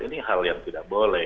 ini hal yang tidak boleh